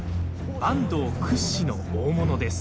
坂東屈指の大物です。